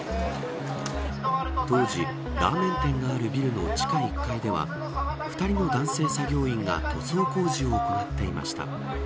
当時、ラーメン店があるビルの地下１階では２人の男性作業員が塗装工事を行っていました。